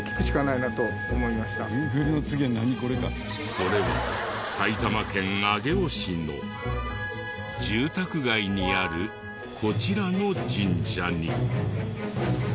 それは埼玉県上尾市の住宅街にあるこちらの神社に。